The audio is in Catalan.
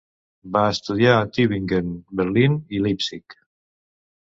Va estudiar a Tübingen, Berlín i Leipzig.